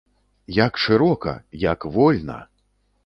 Як шырока, як вольна!